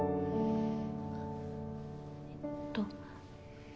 えっと。